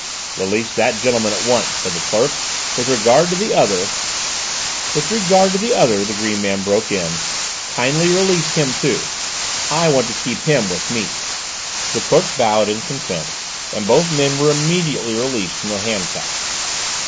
"Release that gentleman at once," said the clerk. "With regard to the other " "With regard to the other," the green man broke in, "kindly release him too. I want to keep him with me." The clerk bowed in consent, and both men were immediately released from their handcuffs.